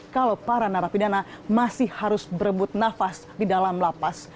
kalau para narapidana masih harus berebut nafas di dalam lapas